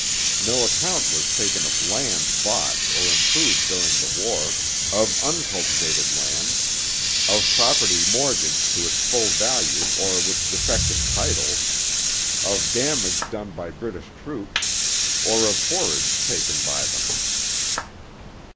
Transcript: No account was taken of lands bought or improved during the war, of uncultivated lands, of property mortgaged to its full value or with defective titles, of damage done by British troops, or of forage taken by them.